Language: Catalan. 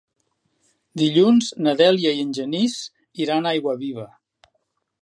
Dilluns na Dèlia i en Genís iran a Aiguaviva.